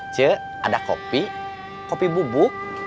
c ada kopi kopi bubuk